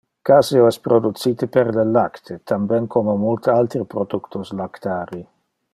Caseo es producite per le lacte, tam ben como multe altere productos lactari.